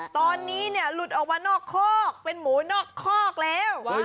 ตอนนี้เนี่ยหลุดออกมานอกคอกเป็นหมูนอกคอกแล้ว